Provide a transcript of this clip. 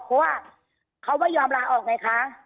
เพราะว่าเขาไม่ยอมลาออกไงคะ